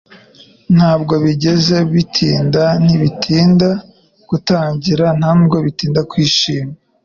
Ntabwo bigeze bitinda - ntibitinda gutangira, nta nubwo bitinda kwishima.”